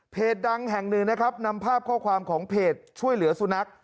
ดังแห่งหนึ่งนะครับนำภาพข้อความของเพจช่วยเหลือสุนัข